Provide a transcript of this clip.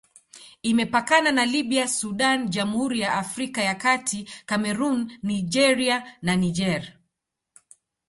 Imepakana na Libya, Sudan, Jamhuri ya Afrika ya Kati, Kamerun, Nigeria na Niger.